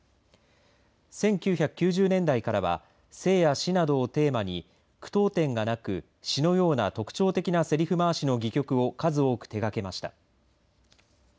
１９９０年代からは生や死などをテーマに句読点がなく詩のような特徴的なせりふ回しの戯曲を数多く手がけました。